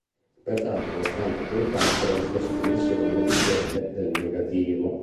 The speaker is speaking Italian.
Pertanto, la stampa a contatto ha le stesse dimensioni di quelle del negativo.